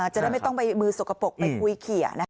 จะได้ไม่ต้องไปมือสกปรกไปคุยเขีย